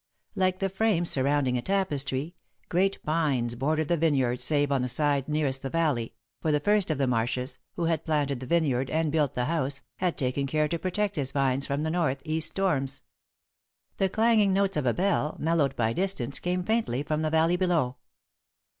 Like the frame surrounding a tapestry, great pines bordered the vineyard save on the side nearest the valley, for the first of the Marshs, who had planted the vineyard and built the house, had taken care to protect his vines from the north east storms. The clanging notes of a bell, mellowed by distance, came faintly from the valley below.